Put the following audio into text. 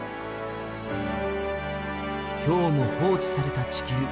今日も放置された地球。